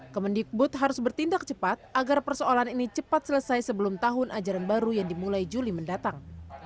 kemendikbud harus bertindak cepat agar persoalan ini cepat selesai sebelum tahun ajaran baru yang dimulai juli mendatang